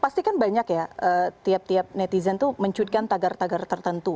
pasti kan banyak ya tiap tiap netizen itu mencuitkan tagar tagar tertentu